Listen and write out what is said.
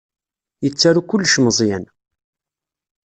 Yettaru kullec Meẓyan.